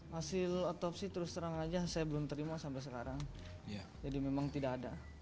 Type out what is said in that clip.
hasil otopsi terus terang saja saya belum terima sampai sekarang jadi memang tidak ada